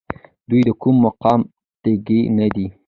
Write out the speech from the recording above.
دی د کوم مقام تږی نه دی.